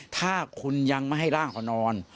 ถ้าคุณยังไม่ให้ร่างเขานอน